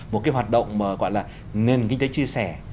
một cái hoạt động gọi là nên kinh tế chia sẻ